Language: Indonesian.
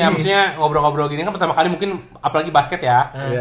ya maksudnya ngobrol ngobrol gini kan pertama kali mungkin apalagi basket ya